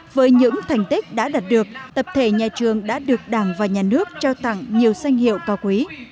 với những thành tích đã đạt được tập thể nhà trường đã được đảng và nhà nước trao tặng nhiều danh hiệu cao quý